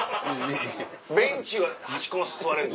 ベンチは端っこの方座れんの？